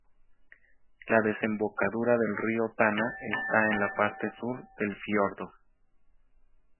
La desembocadura del río Tana está en la parte sur del fiordo.